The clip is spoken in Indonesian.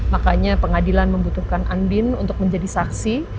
makanya pengadilan membutuhkan andin untuk menjadi saksi